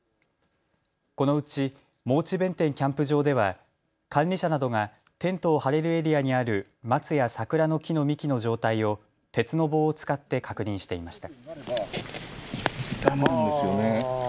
このうち望地弁天キャンプ場では管理者などがテントを張れるエリアにある松や桜の木の幹の状態を鉄の棒を使って確認していました。